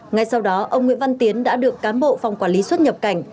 ngay sau đó ông nguyễn văn tiến đã được cán bộ phòng quản lý xuất nhập cảnh